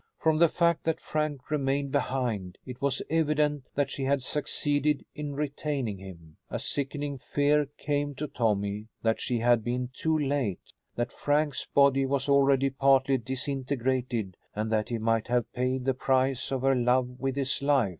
From the fact that Frank remained behind it was evident that she had succeeded in retaining him. A sickening fear came to Tommy that she had been too late; that Frank's body was already partly disintegrated and that he might have paid the price of her love with his life.